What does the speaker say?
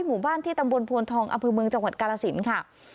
หมู่บ้านที่ตำบลพวนทองอำเภอเมืองจังหวัดกาลสินค่ะ